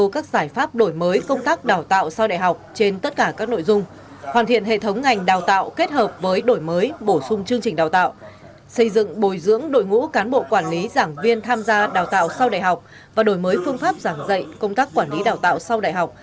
các cán bộ quản lý giảng viên tham gia đào tạo sau đại học và đổi mới phương pháp giảng dạy công tác quản lý đào tạo sau đại học